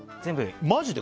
マジで？